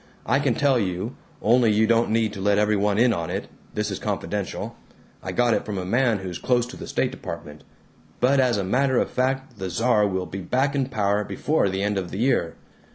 I can tell you, only you don't need to let every one in on it, this is confidential, I got it from a man who's close to the State Department, but as a matter of fact the Czar will be back in power before the end of the year.